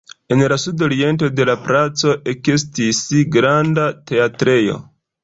En la sudoriento de la placo ekestis granda teatrejo.